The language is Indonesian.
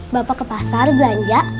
bapak ke pasar belanja